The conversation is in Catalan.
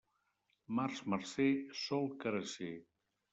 Març marcer, sol carasser.